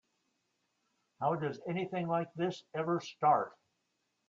How does anything like this ever start?